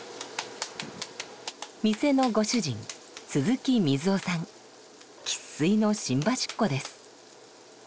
店のご主人生っ粋の新橋っ子です。